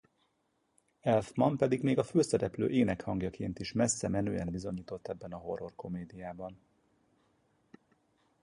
Elfman pedig még a főszereplő énekhangjaként is messzemenően bizonyított ebben a horror-komédiában.